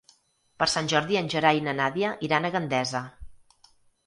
Per Sant Jordi en Gerai i na Nàdia iran a Gandesa.